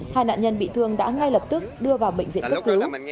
hai nạn nhân bị thương đã ngay lập tức đưa vào bệnh viện cấp cứu